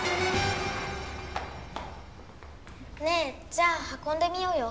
ねえじゃあはこんでみようよ。